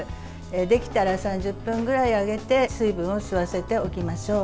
できたら３０分ぐらいあげて水分を吸わせておきましょう。